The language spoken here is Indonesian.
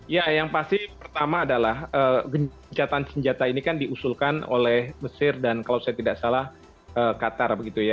ya yang pasti pertama adalah gencatan senjata ini kan diusulkan oleh mesir dan kalau saya tidak salah qatar begitu ya